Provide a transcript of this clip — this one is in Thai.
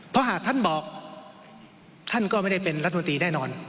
เพราะหากท่านบอกท่านก็ไม่ได้เป็นรัฐมนตรีแน่นอน